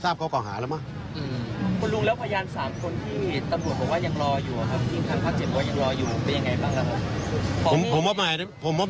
ต่อเรามาบ้างหรือยังครับให้เราเข้าไปให้ข้อมูลเพิ่มเติม